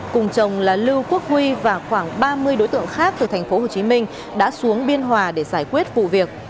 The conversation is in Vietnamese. cùng chồng là lưu quốc huy và khoảng ba mươi đối tượng khác từ tp hcm đã xuống biên hòa để giải quyết vụ việc